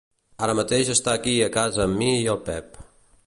Ara mateix està aquí a casa amb mi i el Pep.